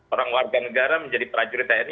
orang warga negara menjadi prajurit tni